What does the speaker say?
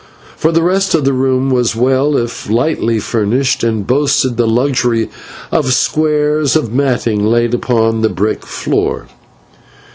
For the rest, the room was well, if lightly, furnished, and boasted the luxury of squares of matting laid upon the brick floor.